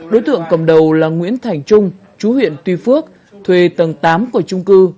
đối tượng cầm đầu là nguyễn thành trung chú huyện tuy phước thuê tầng tám của trung cư